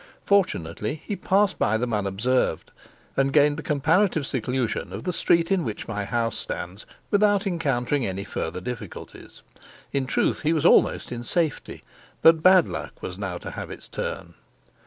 Fortunately he passed by them unobserved, and gained the comparative seclusion of the street in which my house stands, without encountering any further difficulties. In truth, he was almost in safety; but bad luck was now to have its turn.